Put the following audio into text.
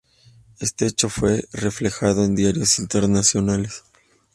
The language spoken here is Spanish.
Este hecho fue reflejado en diarios internacionales.